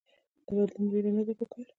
له بدلون ويره نده پکار